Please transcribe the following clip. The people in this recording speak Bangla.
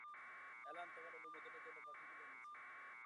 অ্যালান তোমার অনুমোদনের জন্য পাখিগুলি এনেছে।